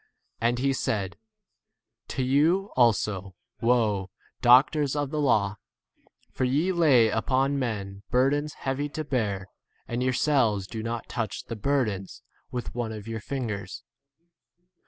And he said, To you also, woe, doctors of the law, for ye lay upon men bur dens heavy to bear, and yourselves do not touch the burdens with 47 one of your fingers.